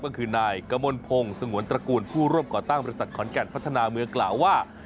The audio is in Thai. ก็คือนายกมลพงศ์สงวนตระกูลผู้ร่วมก่อตั้งบริษัทขอนแก่นพัฒนาเมืองกล่าวว่า